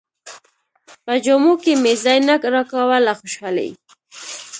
په جامو کې مې ځای نه راکاوه له خوشالۍ.